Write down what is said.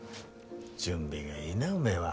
準備がいいなおめえは。